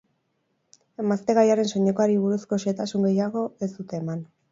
Emaztegaiaren soinekoari buruzko xehetasun gehiago ez dute eman.